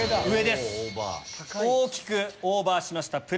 上です大きくオーバーしました